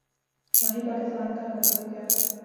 نا ہی پاکستان کا مطلب کیا